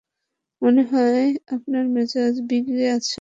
মনে হয় আপনার মেজাজ বিগড়ে আছে।